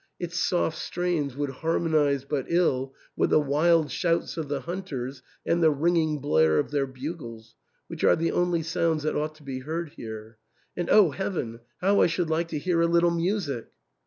Its soft strains would harmonize but ill with the wild shouts of the hunters and the ringing blare of their bugles, which are the only sounds that ought to be heard here. And O heaven ! how I should, like to hear a little music